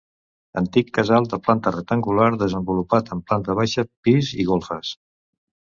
Antic casal de planta rectangular desenvolupat en planta baixa, pis i golfes.